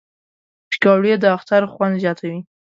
پکورې د اختر خوند زیاتوي